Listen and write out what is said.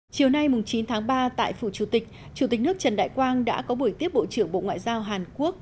chiều nay chín tháng ba tại phủ chủ tịch chủ tịch nước trần đại quang đã có buổi tiếp bộ trưởng bộ ngoại giao hàn quốc